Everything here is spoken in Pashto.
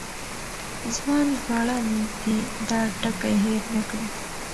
ځوان ژباړن دې دا ټکی هېر نه کړي.